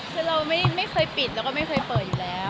คือเราไม่เคยปิดแล้วก็ไม่เคยเปิดอยู่แล้ว